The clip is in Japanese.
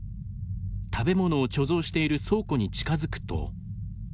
食べ物を貯蔵している倉庫に近づくと。